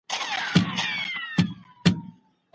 ایا ځايي کروندګر وچ زردالو پروسس کوي؟